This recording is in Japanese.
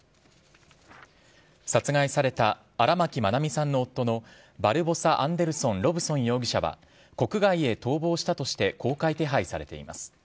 殺害された荒牧愛美さんの夫のバルボサ・アンデルソン・ロブソン容疑者は国外へ逃亡したとして公開手配されています。